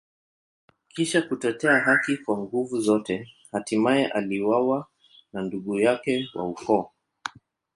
Kisha kutetea haki kwa nguvu zote, hatimaye aliuawa na ndugu yake wa ukoo.